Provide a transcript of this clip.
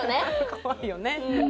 かわいいよね。